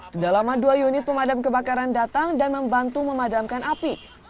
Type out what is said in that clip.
tidak lama dua unit pemadam kebakaran datang dan membantu memadamkan api